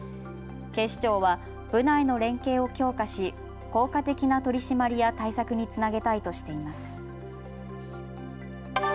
警視庁は部内の連携を強化し効果的な取締りや対策につなげたいとしています。